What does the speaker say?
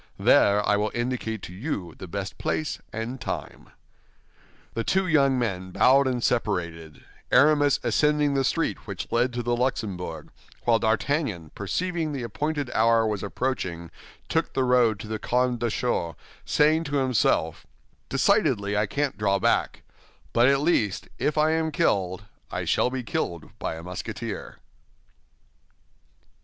There I will indicate to you the best place and time." The two young men bowed and separated, Aramis ascending the street which led to the Luxembourg, while D'Artagnan, perceiving the appointed hour was approaching, took the road to the Carmes Deschaux, saying to himself, "Decidedly I can't draw back; but at least, if I am killed, I shall be killed by a Musketeer."